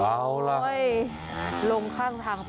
อ้าวนะคะลงข้างทางไป